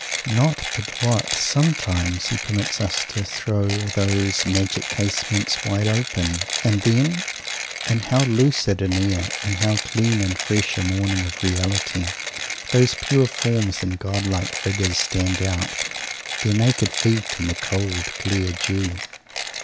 Not but what, sometimes, he permits us to throw those "magic casements" wide open. And then, in how lucid an air, in how clean and fresh a morning of reality, those pure forms and godlike figures stand out, their naked feet in the cold, clear dew!